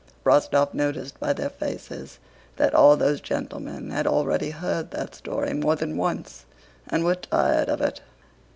Rostóv noticed by their faces that all those gentlemen had already heard that story more than once and were tired of it.